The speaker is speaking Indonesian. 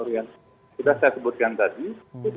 ya satu pertengangan satu bulan lagi ya